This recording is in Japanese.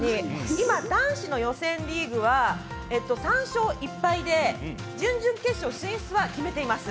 今、男子の予選リーグは３勝１敗で準々決勝進出は決めています。